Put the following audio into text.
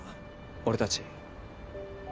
俺たち。